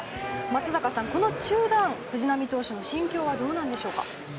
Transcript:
松坂さん、この中断藤浪投手の心境はどうなんでしょうか。